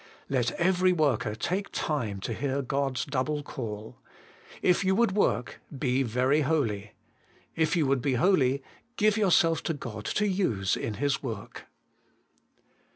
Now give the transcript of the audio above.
3. Let every worker take time to hear God's double call. If you would worh, be very holy. If you would be holy, give yourself to God to use in His worh.